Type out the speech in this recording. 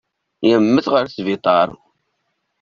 Yya-mt ɣer sbiṭar.